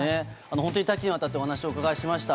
本当に多岐にわたってお話をお伺いしました。